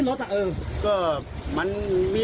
แล้วรถไฟมันไม่มี